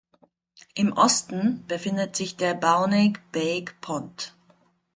Im Osten befindet sich der "Bauneg Beg Pond".